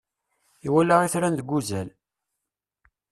Iwala itran deg uzal.